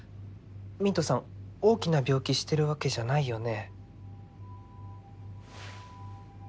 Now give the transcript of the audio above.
ミントさん大きな病気してるわけじゃないよね？